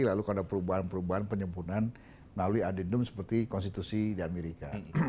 lalu ada perubahan perubahan penyempurnaan melalui adendum seperti konstitusi di amerika